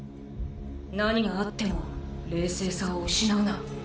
何があっても冷静さを失うな。